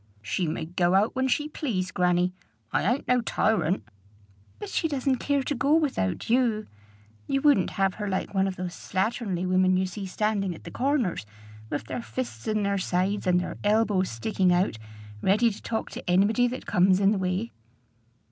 "She may go out when she please, grannie. I ain't no tyrant." "But she doesn't care to go without you. You wouldn't have her like one of those slatternly women you see standing at the corners, with their fists in their sides and their elbows sticking out, ready to talk to anybody that comes in the way."